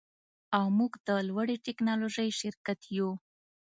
او موږ د لوړې ټیکنالوژۍ شرکت یو